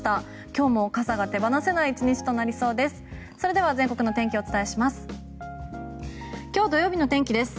今日も傘が手放せない１日となりそうです。